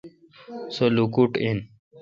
سو لوکوٹ این۔